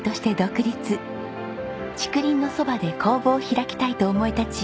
竹林のそばで工房を開きたいと思い立ち